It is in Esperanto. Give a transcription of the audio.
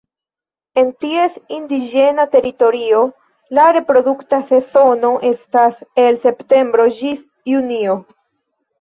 En ties indiĝena teritorio la reprodukta sezono estas el septembro ĝis junio.